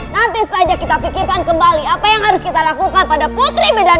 nanti saja kita pikirkan kembali apa yang harus kita lakukan pada putri medan